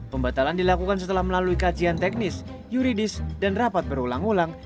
pembatalan dilakukan setelah melalui kajian teknis yuridis dan rapat berulang ulang